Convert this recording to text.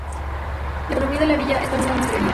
La economía de la villa está basada en la hostelería.